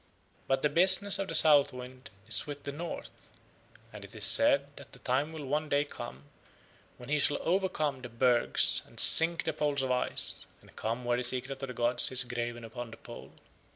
But the business of the South Wind is with the North, and it is said that the time will one day come when he shall overcome the bergs and sink the seas of ice and come where the Secret of the gods is graven upon the pole.